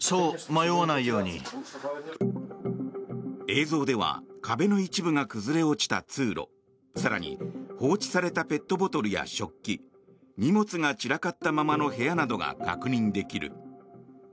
映像では壁の一部が崩れ落ちた通路更に放置されたペットボトルや食器荷物が散らかったままの部屋などが確認できる。